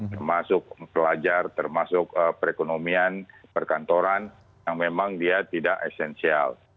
termasuk pelajar termasuk perekonomian perkantoran yang memang dia tidak esensial